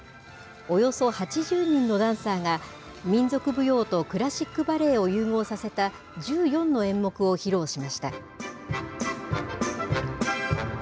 およそ８０人のダンサーが、民族舞踊とクラシックバレエを融合させた１４の演目を披露しました。